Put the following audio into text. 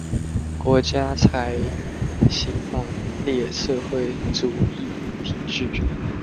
國家採行馬列社會主義體制